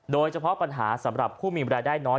โดยเฉพาะปัญหาสำหรับผู้มีรายได้น้อย